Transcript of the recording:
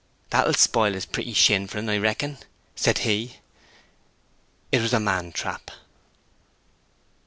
"That will spoil his pretty shins for'n, I reckon!" he said. It was a man trap.